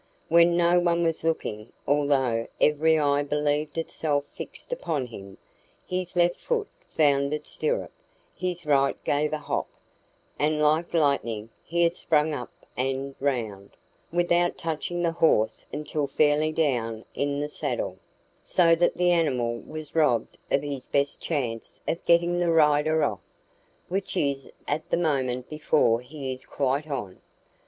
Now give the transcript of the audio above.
When no one was looking although every eye believed itself fixed upon him his left foot found its stirrup, his right gave a hop, and like lightning he had sprung up and round, without touching the horse until fairly down in the saddle; so that the animal was robbed of his best chance of getting the rider off, which is at the moment before he is quite on.